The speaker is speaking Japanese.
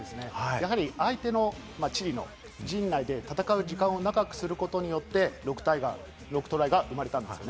やはり相手のチリの陣内で戦う時間を長くすることによって、６トライが生まれたんですね。